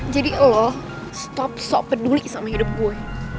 jadi lo stop stop peduli sama hidup gue